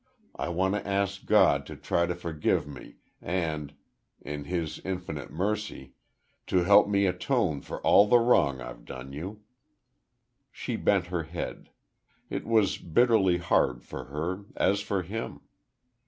I want to ask God to try to forgive me, and, in His infinite mercy, to help me atone for all the wrong I've done you." She bent her head. It was bitterly hard for her, as for him.